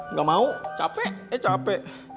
nggak mau capek eh capek